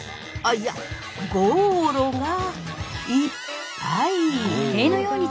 いやゴーロがいっぱい。